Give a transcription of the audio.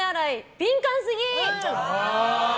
敏感すぎ！